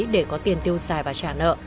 để có tiền tiêu xài và trả nợ